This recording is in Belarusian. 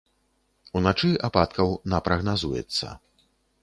Уначы ападкаў на прагназуецца.